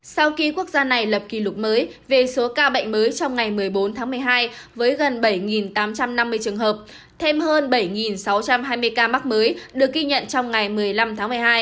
sau khi quốc gia này lập kỷ lục mới về số ca bệnh mới trong ngày một mươi bốn tháng một mươi hai với gần bảy tám trăm năm mươi trường hợp thêm hơn bảy sáu trăm hai mươi ca mắc mới được ghi nhận trong ngày một mươi năm tháng một mươi hai